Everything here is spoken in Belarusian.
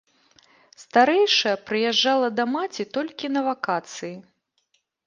Старэйшая прыязджала да маці толькі на вакацыі.